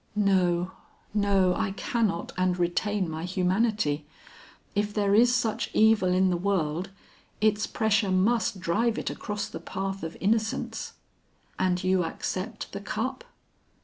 "No, no, I cannot, and retain my humanity. If there is such evil in the world, its pressure must drive it across the path of innocence." "And you accept the cup?"